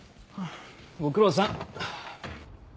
ご苦労さん。